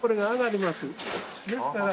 ですから。